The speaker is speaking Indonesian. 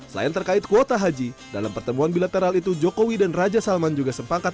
selain terkait kuota haji dalam pertemuan bilateral itu jokowi dan raja salman juga sepakat